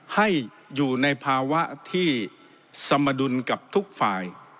ให้อยู่ในภาวะที่สมดุลกับทุกฝ่าย